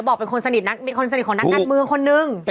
บอกเป็นคนสนิทนักมีคนสนิทของนักการเมืองคนนึง